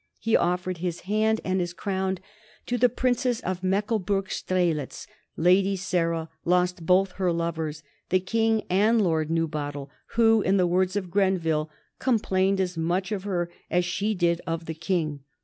He offered his hand and his crown to the Princess of Mecklenburg Strelitz. Lady Sarah lost both her lovers, the King and Lord Newbottle, who, in the words of Grenville, "complained as much of her as she did of the King."